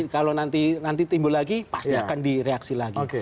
kalau nanti timbul lagi pasti akan direaksi lagi